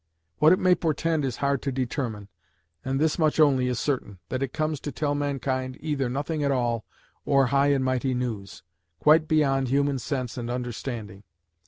What it may portend is hard to determine, and this much only is certain, that it comes to tell mankind either nothing at all or high and mighty news, quite beyond human sense and understanding.